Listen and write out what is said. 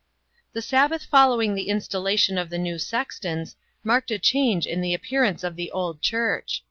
The Sabbath following the installation of the new sextons marked a change in the appearance of the old church.